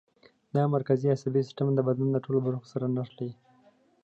دا مرکزي عصبي سیستم د بدن له ټولو برخو سره نښلوي.